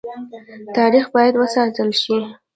تاریخ باید وساتل شي